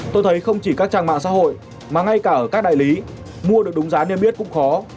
tôi thấy không chỉ các trang mạng xã hội mà ngay cả ở các đại lý mua được đúng giá niêm yết cũng khó